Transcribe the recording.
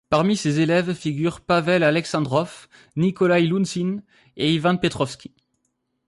Parmi ses élèves figurent Pavel Aleksandrov, Nikolai Luzin et Ivan Petrovski.